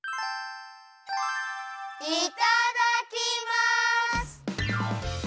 いただきます！